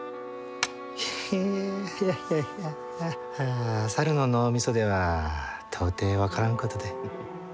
ヘヘッいやいや猿の脳みそでは到底分からんことで。